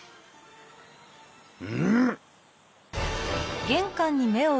うん！？